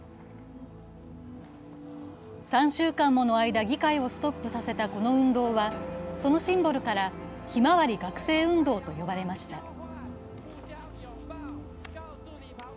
３週間もの間、議会をストップさせたこの運動は、そのシンボルからひまわり学生運動と呼ばれました。